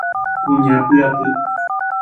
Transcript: Kuña py'apy.